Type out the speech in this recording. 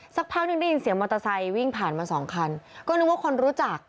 สักพักหนึ่งได้ยินเสียงมอเตอร์ไซค์วิ่งผ่านมาสองคันก็นึกว่าคนรู้จัก